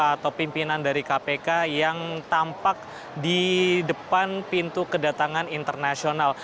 atau pimpinan dari kpk yang tampak di depan pintu kedatangan internasional